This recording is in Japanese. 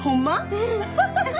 うん！